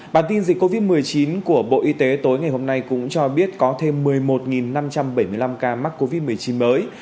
bản tin dịch covid một mươi chín của bộ y tế tối ngày hôm nay cũng cho biết có thêm một mươi một năm trăm bảy mươi năm ca mắc covid một mươi chín mới